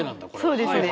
そうですね。